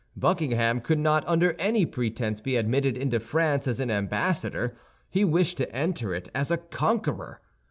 Buckingham could not under any pretense be admitted into France as an ambassador; he wished to enter it as a conqueror.